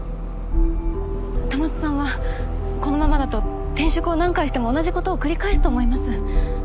戸松さんはこのままだと転職を何回しても同じことを繰り返すと思います。